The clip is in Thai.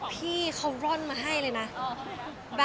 พี่เขาร่อนมาให้เลยนะ